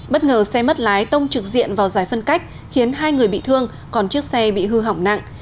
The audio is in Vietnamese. bất ngờ xe mất lái tông trực diện vào giải phân cách khiến hai người bị thương còn chiếc xe bị hư hỏng nặng